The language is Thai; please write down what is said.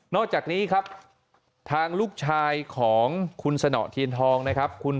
อกจากนี้ครับทางลูกชายของคุณสนเทียนทองนะครับ